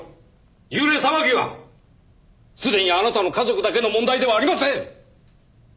幽霊騒ぎはすでにあなたの家族だけの問題ではありません！